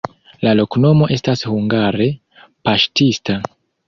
La loknomo estas hungare: paŝtista.